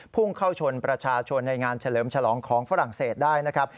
พุ่งเข้าชนประชาชนในงานเฉลิมฉลองของฝรั่งเศสได้นะครับ